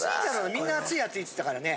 みんな熱い熱いって言ってたからね。